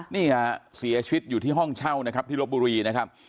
นี่ฮะเสียชีวิตอยู่ที่ห้องเช่านะครับที่ลบบุรีนะครับ